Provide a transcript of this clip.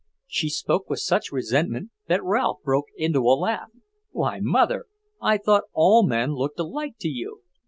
She spoke with such resentment that Ralph broke into a laugh. "Why, Mother, I thought all men looked alike to you!